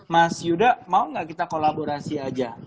mas yuda mau nggak kita kolaborasi aja